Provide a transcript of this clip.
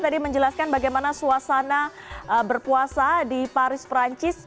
saya mau jelaskan bagaimana suasana berpuasa di paris perancis